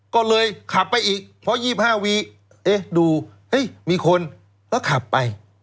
ก็เลยขับไปอีกเพราะ๒๕วีเอ๊ะดูมีคนแล้วขับไป